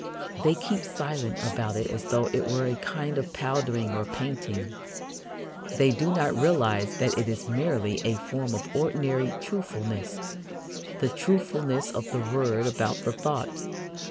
They keep silent about it as though it were a kind of powdering or painting. They do not realize that it is merely a form of ordinary truthfulness the truthfulness of the word about the thought.